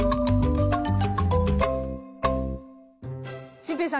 心平さん